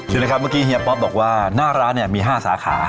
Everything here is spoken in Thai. เห็นไหมครับเมื่อกี้เฮียป๊อปบอกว่าหน้าร้านเนี่ยมี๕สาขา